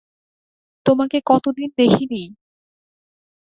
তোমকে কতদিন দেখিনি!